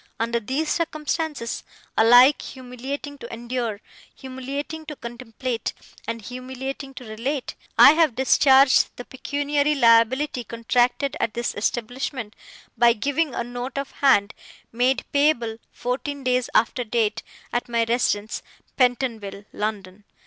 Under these circumstances, alike humiliating to endure, humiliating to contemplate, and humiliating to relate, I have discharged the pecuniary liability contracted at this establishment, by giving a note of hand, made payable fourteen days after date, at my residence, Pentonville, London.